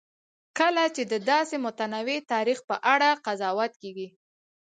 کله چې د داسې متنوع تاریخ په اړه قضاوت کېږي.